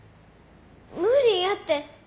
無理やて。